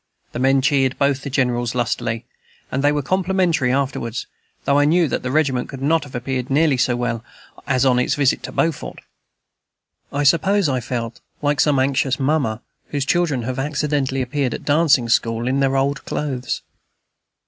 The men cheered both the generals lustily; and they were complimentary afterwards, though I knew that the regiment could not have appeared nearly so well as on its visit to Beaufort. I suppose I felt like some anxious mamma whose children have accidentally appeared at dancing school in their old clothes.